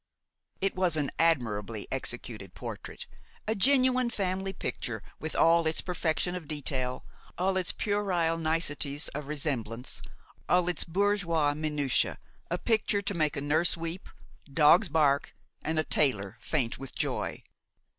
It was an admirably executed portrait, a genuine family picture with all its perfection of detail, all its puerile niceties of resemblance, all its bourgeois minutiæ a picture to make a nurse weep, dogs bark and a tailor faint with joy.